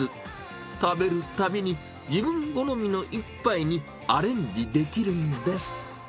食べるたびに自分好みの一杯にアレンジできるんです。